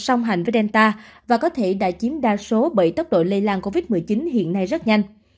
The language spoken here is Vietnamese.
hà nội đã lưu hành omicron sau và có thể đã chiếm đa số bởi tốc độ lây lan covid một mươi chín hiện nay rất nhanh